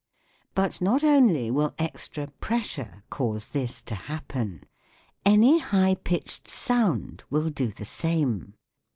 But not only will extra pressure cause this to happen ; any high pitched sound will do the same.